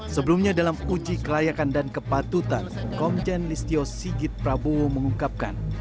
sebelumnya dalam uji kelayakan dan kepatutan komjen listio sigit prabowo mengungkapkan